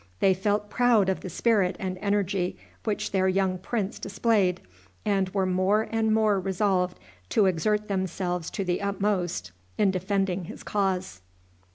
They felt proud of the spirit and energy which their young prince displayed, and were more and more resolved to exert themselves to the utmost in defending his cause.